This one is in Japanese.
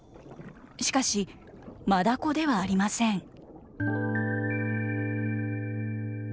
しかし、マダコではありません。